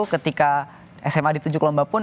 ketika sma ditujuk lomba pun